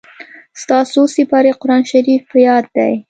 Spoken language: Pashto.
ستا څو سېپارې قرآن شريف په ياد دئ.